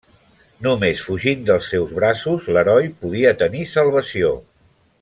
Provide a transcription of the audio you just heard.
Només fugint dels seus braços, l'heroi podia tenir salvació.